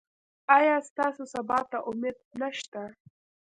ایا ستاسو سبا ته امید نشته؟